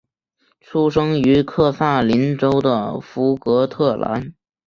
出生于萨克森州的福格特兰。